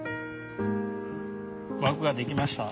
枠が出来ました。